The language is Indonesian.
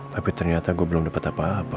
tapi ternyata gue belum dapat apa apa